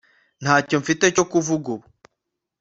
ntacyo mfite cyo kuvuga ubu